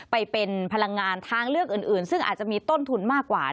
ไปเป็นพลังงานทางเลือกอื่นซึ่งอาจจะมีต้นทุนมากกว่า